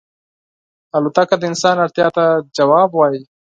الوتکه د انسان اړتیا ته ځواب وايي.